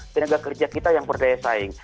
tenaga kerja kita yang berdaya saing